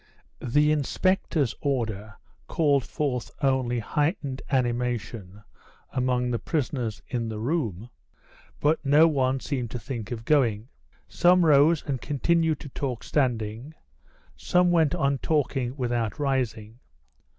The inspector's order called forth only heightened animation among the prisoners in the room, but no one seemed to think of going. Some rose and continued to talk standing, some went on talking without rising.